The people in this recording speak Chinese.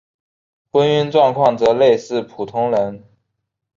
婚姻状况则类似普通人。